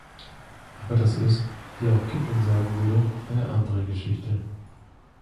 Aber das ist, wie auch Kipling sagen würde, eine andere Geschichte.